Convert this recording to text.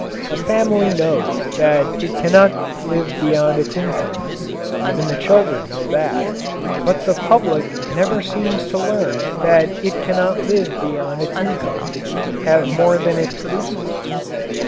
A family knows that it cannot live beyond its income; even the children know that. But the public never seems to learn that it cannot live beyond its income have more than it produces.